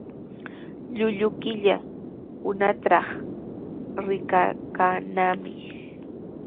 Llullu killa hunaqtraw rikakannami.